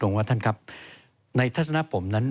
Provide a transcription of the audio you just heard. ว่าท่านครับในทัศนผมนั้น